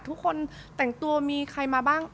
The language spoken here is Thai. ทุกคนแต่งตัวมีใครมาบ้าง